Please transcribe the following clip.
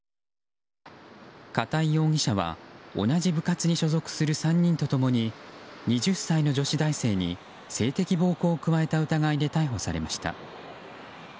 片井容疑者は同じ部活に所属する３人と共に２０歳の女子大生に性的暴行を加えた疑いで逮捕されました。